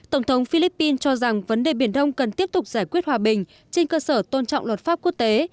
tổng thống philippines cho rằng vấn đề biển đông cần tiếp tục giải quyết hòa bình trên cơ sở tôn trọng luật pháp quốc tế